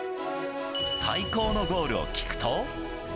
最高のゴールを聞くと。